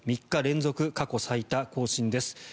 ３日連続過去最多更新です。